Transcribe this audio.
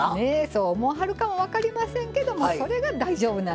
そう思わはるかも分かりませんけどもそれが大丈夫なんですよ。